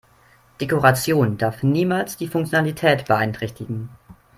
Dekoration darf niemals die Funktionalität beeinträchtigen.